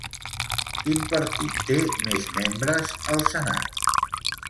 Quin partit té més membres al senat?